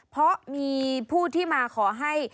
เพราะมีผู้ที่มาขอให้